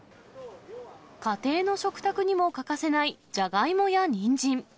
家庭の食卓にも欠かせないジャガイモやニンジン。